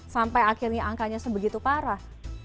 sampai akhirnya angkanya sebegitu parah